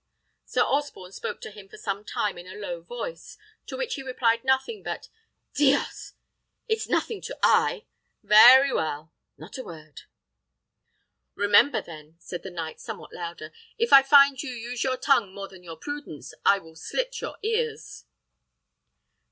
Sir Osborne spoke to him for some time in a low voice, to which he replied nothing but "Dios! It's nothing to I! Vary well! Not a word!" "Remember, then," said the knight, somewhat louder, "if I find you use your tongue more than your prudence, I will, slit your ears!"